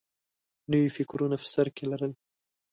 نوي فکرونه په سر کې لرل